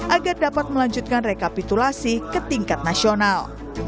agar dapat melanjutkan rekapitulasi ke tingkat nasional